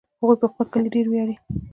هغوی په خپل کلي ډېر ویاړي